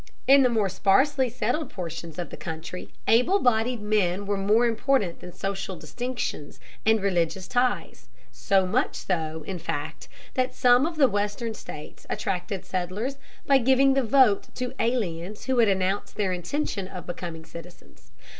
In the more sparsely settled portions of the country, able bodied men were more important than social distinctions and religious ties, so much so, in fact, that some of the western states attracted settlers by giving the vote to aliens who had announced their intention of becoming citizens.